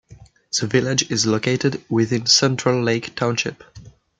The village is located within Central Lake Township.